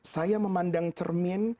saya memandang cermin